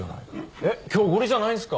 えっ今日おごりじゃないんすか？